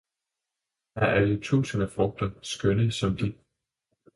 Her er jo tusinde frugter, skønne, som de!